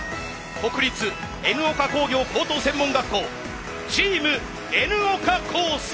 国立Ｎ岡工業高等専門学校チームＮ岡高専。